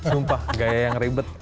sumpah gaya yang ribet